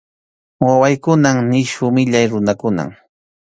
Wawaykunan nisyu millay runakunam.